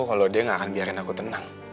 kalau dia gak akan biarkan aku tenang